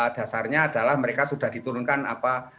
dasarnya adalah mereka sudah diturunkan apa